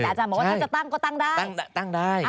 แต่อาจารย์บอกว่าถ้าจะตั้งก็ตั้งได้